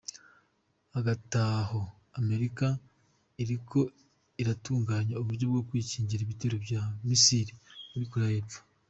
Hagataho Amerika iriko iratunganya uburyo bwo kwikingira ibitero vya "missile" muri Korea yepfo.